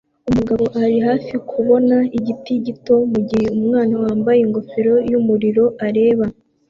Umugabo ari hafi kubona igiti gito mugihe umwana wambaye ingofero yumuriro areba